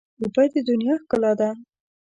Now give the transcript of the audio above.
اوبه د دنیا ښکلا ده.